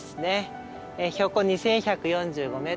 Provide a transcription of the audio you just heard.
標高２，１４５ｍ。